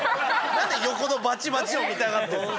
何で横のバチバチを見たがってるんですか。